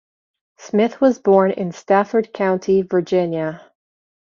Smith was born in Stafford County, Virginia.